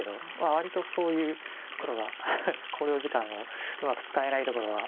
割とそういうところは考慮時間をうまく使えないところは。